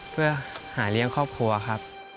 เพื่อหาเลี้ยงครอบครัวครับ